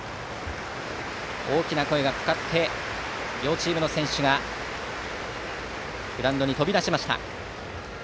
大きな声がかかって両チームの選手がグラウンドに飛び出しました。